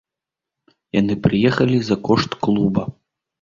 Яны прыехалі за кошт клуба.